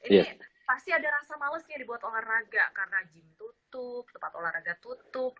ini pasti ada rasa malesnya dibuat olahraga karena gym tutup tempat olahraga tutup